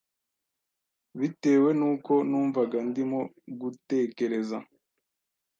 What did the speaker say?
bitewe n’uko numvaga ndimo gutekereza